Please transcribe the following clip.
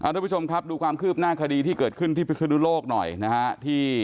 ทุกผู้ชมครับดูความคืบหน้าคดีที่เกิดขึ้นที่พิศนุโลกหน่อยนะฮะ